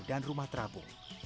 dan rumah terapu